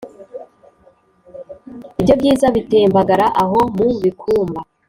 Ibyo byiza bitembagara aho mu bikumba